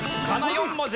４文字。